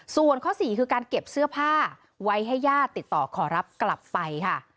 ส่วนข้อ๔คือการเก็บเสื้อผ้าไว้ให้ญาติติดต่อขอรับกลับไปค่ะ